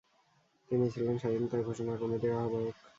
তিনি ছিলেন স্বাধীনতা ঘোষণা কমিটির আহবায়ক।